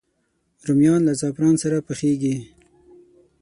رومیان له زعفران سره پخېږي